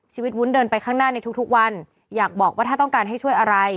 วุ้นเดินไปข้างหน้าในทุกวันอยากบอกว่าถ้าต้องการให้ช่วยอะไร